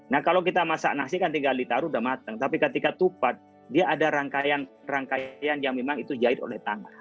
nah kalau kita masak nasi kan tinggal ditaruh udah matang tapi ketika tupat dia ada rangkaian rangkaian yang memang itu jahit oleh tangan